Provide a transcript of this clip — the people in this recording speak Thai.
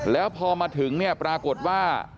แล้วพอมาถึงปรากฏว่า